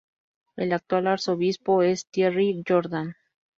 El actual arzobispo es Thierry Jordan.